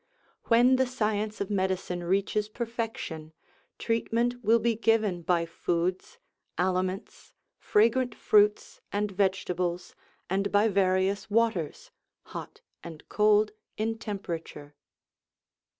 When the science of medicine reaches perfec tion, treatment will be given by foods, aliments, fragrant fruits, and vegetables, and by various waters, hot and cold in temperature.